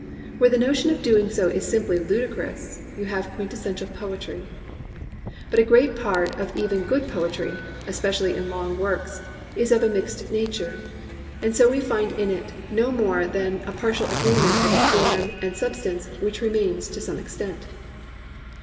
Where the notion of doing so is simply ludicrous, you have quintessential poetry. But a great part even of good poetry, especially in long works, is of a mixed nature; and so we find in it no more than a partial agreement of a form and substance which remain to some[Pg 28] extent distinct.